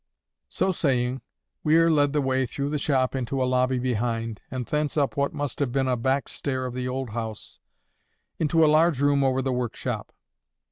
So saying, Weir led the way through the shop into a lobby behind, and thence up what must have been a back stair of the old house, into a large room over the workshop.